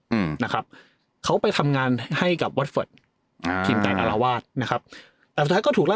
อืมนะครับเขาไปทำงานให้กับทีมไก่อลาวาสนะครับแต่สุดท้ายก็ถูกไล่